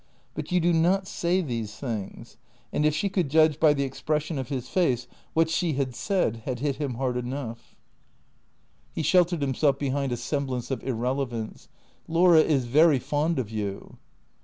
But you do not say these things ; and if she could judge by the expression of his face what she had said had hit him hard enough. 24 380 THECEEATOES He sheltered himself behind a semblance of irrelevance. "Laura is very fond of you."